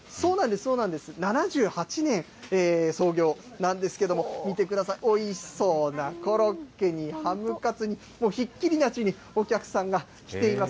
７８年創業なんですけども、見てください、おいしそうなコロッケにハムカツに、もうひっきりなしにお客さんが来ています。